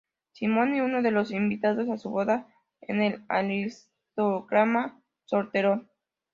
Simon y uno de los invitados a su boda en "El aristócrata solterón".